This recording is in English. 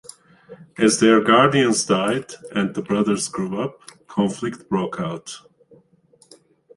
As their guardians died, and the brothers grew up, conflict broke out.